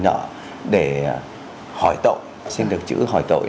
nọ để hỏi tội xin được chữ hỏi tội